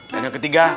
dan yang ketiga